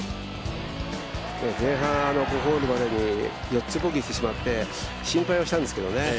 前半、５ホールに渡り４つボギーしてしまって心配はしたんですけどね。